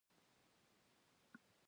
افغانستان د پسرلی کوربه دی.